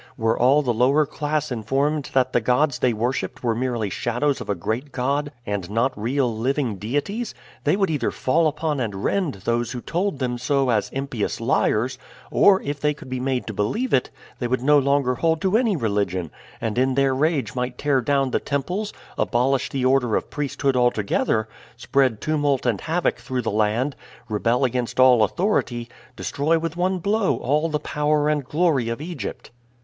Were all the lower class informed that the gods they worshiped were merely shadows of a great God and not real living deities, they would either fall upon and rend those who told them so as impious liars, or, if they could be made to believe it, they would no longer hold to any religion, and in their rage might tear down the temples, abolish the order of priesthood altogether, spread tumult and havoc through the land, rebel against all authority, destroy with one blow all the power and glory of Egypt."